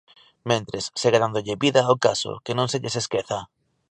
Mentres, segue dándolle vida ao caso, que non se lles esqueza.